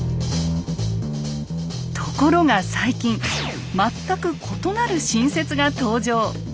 ところが最近全く異なる新説が登場。